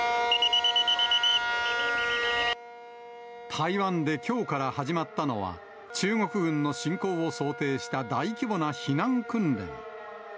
台湾できょうから始まったのは、中国軍の侵攻を想定した大規模な避難訓練。